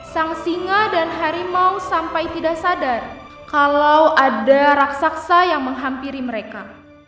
sang singa dan harimau sampai tidak sadar kalau ada raksasa yang menghampiri mereka